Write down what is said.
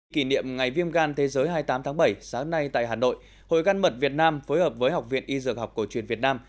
kỷ niệm ngày viêm gan thế giới hai mươi tám tháng bảy sáng nay tại hà nội hội gan mật việt nam phối hợp với học viện y dược học cổ truyền việt nam